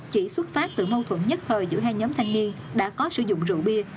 chỉ xuất phát từ mâu thuẫn nhất thời giữa hai nhóm thanh niên đã có sử dụng rượu bia